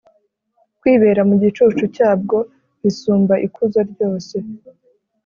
kwibera mu gicucu cyabwo bisumba ikuzo ryose.